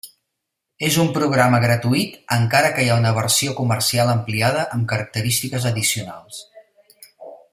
És un programa gratuït, encara que hi ha una versió comercial ampliada amb característiques addicionals.